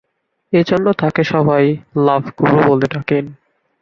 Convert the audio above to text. এজন্য তাকে সবাই 'লাভ গুরু' বলে ডাকেন।